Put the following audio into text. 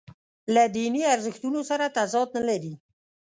له دیني ارزښتونو سره تضاد نه لري.